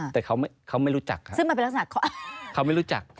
แต่เขาไม่รู้จักครับ